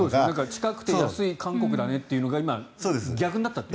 近くて安い韓国だねっていうのが今、逆になったと。